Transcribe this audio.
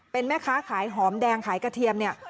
เป็นแม่ค้าขายหอมแดงขายกระเทียมเนี่ย